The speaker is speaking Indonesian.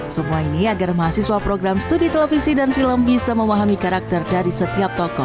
semua ini agar mahasiswa program studi televisi dan film bisa memahami karakter dari setiap tokoh